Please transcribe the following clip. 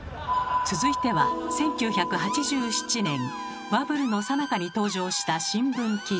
続いては１９８７年バブルのさなかに登場した新聞記事。